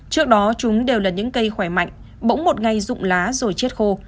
trước đó chúng đều là những cây khỏe mạnh bỗng một ngày rụng lá rồi chết khô